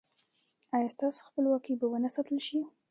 ایا ستاسو خپلواکي به و نه ساتل شي؟